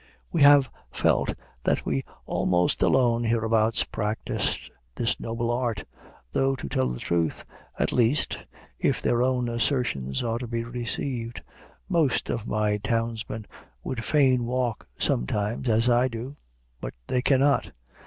We have felt that we almost alone hereabouts practiced this noble art; though, to tell the truth, at least, if their own assertions are to be received, most of my townsmen would fain walk sometimes, as I do, but they cannot.